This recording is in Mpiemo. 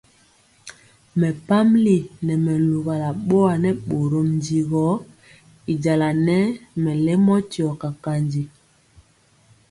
Mɛpamili nɛ mɛ luwala bɔa nɛ bórɔm ndi gɔ y jala nɛ mɛlɛmɔ tiɔ kakanji.